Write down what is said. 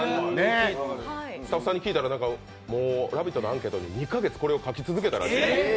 スタッフさんに聞いたら「ラヴィット！」のアンケートに２か月、これを書き続けたらしい。